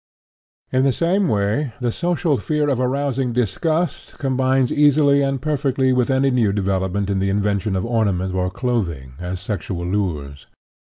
In the same way the social fear of arousing disgust combines easily and perfectly with any new development in the invention of ornament or clothing as sexual lures.